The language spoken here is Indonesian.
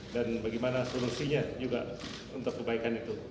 dan bagaimana solusinya juga untuk kebaikan itu